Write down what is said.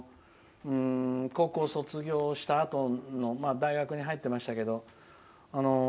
高校卒業したあと大学に入っていましたけど。